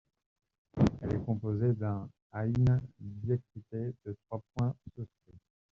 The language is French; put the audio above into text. Elle est composée d’un ʿayn diacrité de trois points souscrits.